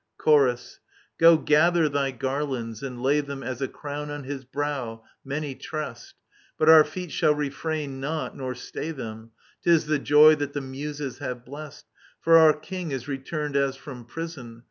Chorus. Go, gather thy garlands, and lay them As a crown on his brow, many tressed. But our feet shall refrain not nor stay them : 'Tis the joy that the Muses have blest. For our king is returned as from prison.